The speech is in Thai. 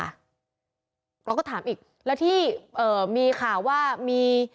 เราก็ถามอีกแล้วที่มีข่าวว่ามี